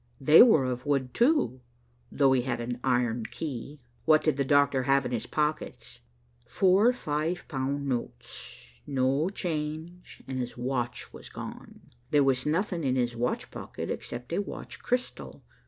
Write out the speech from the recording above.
They were of wood, too, though he had an iron key." "What did the doctor have in his pockets?" "Four five pound notes, no change, and his watch was gone. There was nothing in his watch pocket except a watch crystal.